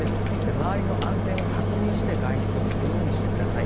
周りの安全を確認して外出をするようにしてください。